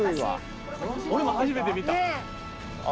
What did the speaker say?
俺も初めて見た！